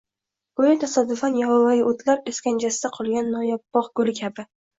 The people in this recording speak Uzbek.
Go'yo tasodifan yovvoyi o'tlar iskanjasida qolgan noyob bog' guli kabi.